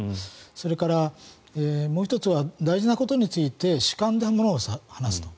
それから、もう１つは大事なことについて主観で、ものを話すと。